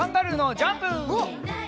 ジャンプ！